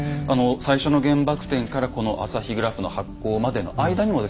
最初の原爆展からこの「アサヒグラフ」の発行までの間にもですね